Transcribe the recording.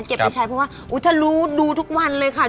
ไปใช้เพราะว่าอุ๊ยถ้ารู้ดูทุกวันเลยค่ะ